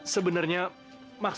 sebenarnya maksudnya entah entah